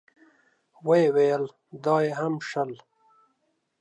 ويې ويل: دا يې هم شل.